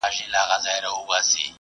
بدلوي په یوه ورځ کي سل رنګونه سل قولونه